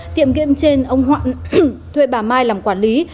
tiệm game trên ông thử thuê bà mai làm quản lý